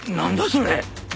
それ。